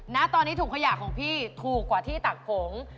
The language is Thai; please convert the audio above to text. ณตอนนี้ถุงขยะของพี่ถูกกว่าที่ตักผง